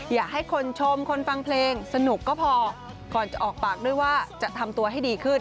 อยากให้คนชมคนฟังเพลงสนุกก็พอก่อนจะออกปากด้วยว่าจะทำตัวให้ดีขึ้น